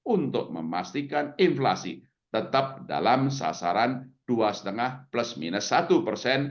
untuk memastikan inflasi tetap dalam sasaran dua lima plus minus satu persen